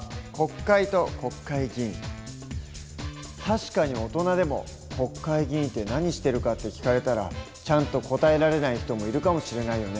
確かに大人でも国会議員って何してるかって聞かれたらちゃんと答えられない人もいるかもしれないよね。